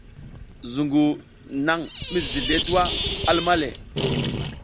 Zuƞgu naƞ mi zizi zleʼe tuwa, a luma le.